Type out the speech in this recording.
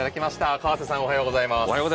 川瀬さん、おはようございます。